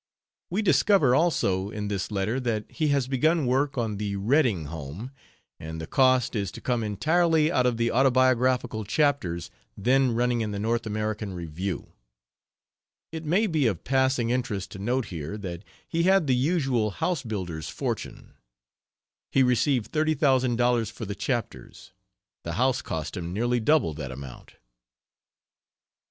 We discover, also, in this letter that he has begun work on the Redding home and the cost is to come entirely out of the autobiographical chapters then running in the North American Review. It may be of passing interest to note here that he had the usual house builder's fortune. He received thirty thousand dollars for the chapters; the house cost him nearly double that amount.